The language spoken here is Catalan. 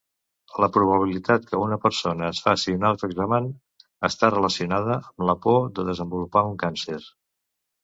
La probabilitat que una persona es faci un autoexamen està relacionada amb la por de desenvolupar un càncer.